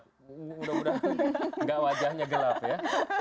mudah mudahan enggak wajahnya gelap ya